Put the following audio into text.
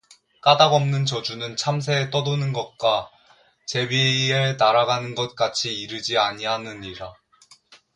까닭 없는 저주는 참새의 떠도는 것과 제비의 날아가는 것 같이 이르지 아니하느니라